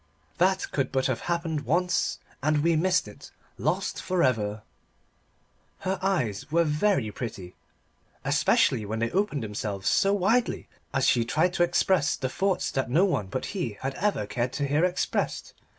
"That could but have happened once And we missed it, lost it for ever!" Her eyes were very pretty, especially when they opened themselves so widely as she tried to express the thoughts that no one but he had ever cared to hear expressed.